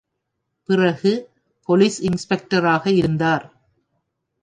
பிறகு போலீஸ் இன்ஸ்பெக்டராக இருந்தார்.